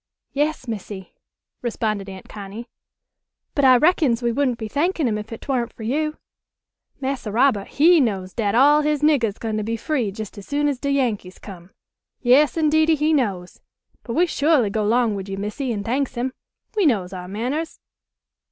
"Yas, Missy," responded Aunt Connie, "but I reckons we wouldn't be thankin' him if 'twan't fer yo'. Massa Robert HE knows dat all his niggers gwine to be free jes' as soon as de Yankees come. Yas, indeedy, he knows. But we shuahly go long wid yo', Missy, an' thanks him. We knows our manners."